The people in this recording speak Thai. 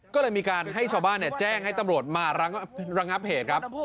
ก็เลยมีการให้ชาวบ้านแจ้งให้ตำรวจมาระงับเหตุครับ